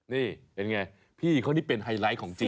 นี่เป็นไงพี่เขานี่เป็นไฮไลท์ของจริง